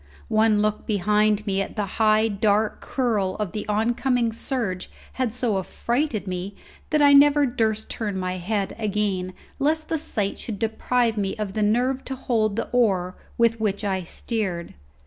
One look behind me at the high dark curl of the oncoming surge had so affrighted me that I never durst turn my head again lest the sight should deprive me of the nerve to hold the oar with which I steered.